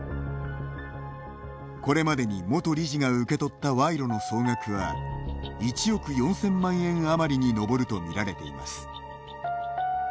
これまでに元理事が受け取った賄賂の総額は１億４０００万円余りに上ると見られています。